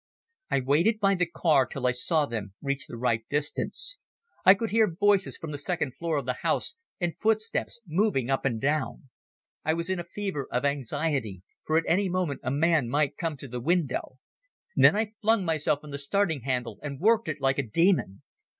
I waited by the car till I saw them reach the right distance. I could hear voices from the second floor of the house and footsteps moving up and down. I was in a fever of anxiety, for any moment a man might come to the window. Then I flung myself on the starting handle and worked like a demon.